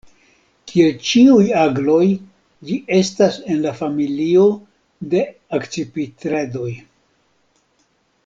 Kiel ĉiuj agloj, ĝi estas en la familio de Akcipitredoj.